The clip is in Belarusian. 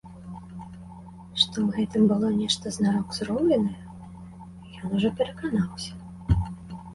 Што ў гэтым было нешта знарок зробленае, ён ужо пераканаўся.